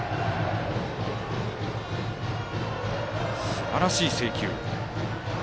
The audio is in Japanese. すばらしい制球。